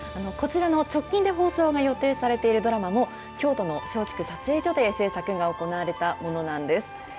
こちらの、直近で放送が予定されているドラマも、京都の松竹撮影所で制作が行われたものなんです。